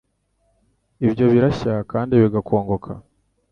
Ibyo birashya, kandi bigakongoka